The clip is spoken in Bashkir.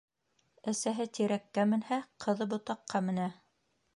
Әсәһе тирәккә менһә, ҡыҙы ботаҡҡа менә.